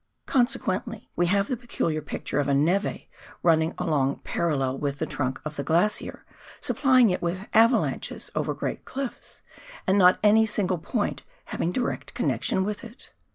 Consequently we have the peculiar picture of a neve running along parallel uith the trunk of the glacier, supplying it with avalanches over great cliffs, and not at any single point having direct connection ivith it.